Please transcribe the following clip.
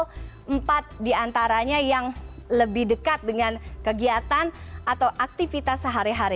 ada empat diantaranya yang lebih dekat dengan kegiatan atau aktivitas sehari hari